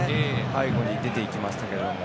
背後に出ていきましたが。